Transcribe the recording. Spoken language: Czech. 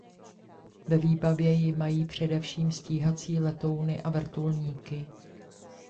Ve výbavě ji mají především stíhací letouny a vrtulníky.